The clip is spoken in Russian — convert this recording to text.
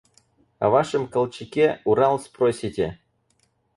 О вашем Колчаке – Урал спросите!